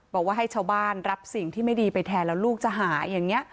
บอกว่าให้ชาวบ้านรับสิ่งที่ไม่ดีไปแทนแล้วลูกจะหายอย่างนี้